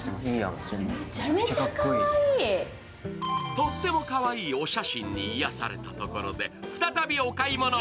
とってもかわいいお写真に癒やされたところで、再びお買い物。